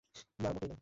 না, মোটেই না।